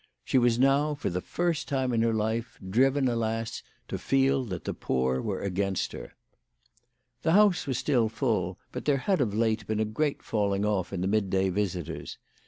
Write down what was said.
She was now for the first time in her life, driven, alas, to feel that the poor were against her. The house was still full, but there had of late been a great falling off in the midday visitors.